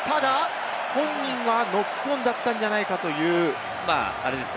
ただ、本人はノックオンだったんじゃないかという。